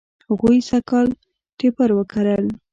هغوی سږ کال ټیپر و کرل.